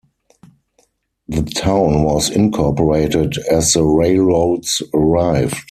The town was incorporated as the railroads arrived.